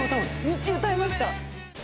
『道』歌いました。